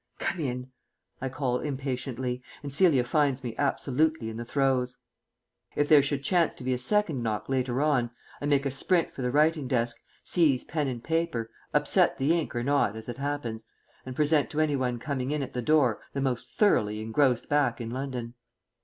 "Come in," I call impatiently, and Celia finds me absolutely in the throes. If there should chance to be a second knock later on, I make a sprint for the writing desk, seize pen and paper, upset the ink or not as it happens, and present to any one coming in at the door the most thoroughly engrossed back in London.